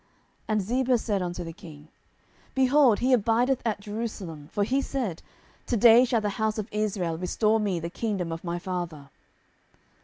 And Ziba said unto the king, Behold, he abideth at Jerusalem: for he said, To day shall the house of Israel restore me the kingdom of my father.